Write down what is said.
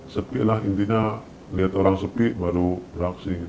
sepi lah intinya lihat orang sepi baru beraksi gitu